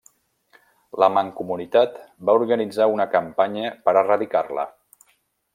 La Mancomunitat va organitzar una campanya per erradicar-la.